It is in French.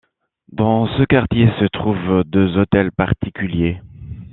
Dans ce quartier se trouvent deux Hôtels particuliers.